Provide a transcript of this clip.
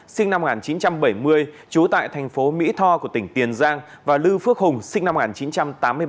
sinh năm một nghìn chín trăm bảy mươi trú tại thành phố mỹ tho của tỉnh tiền giang và lưu phước hùng sinh năm một nghìn chín trăm tám mươi ba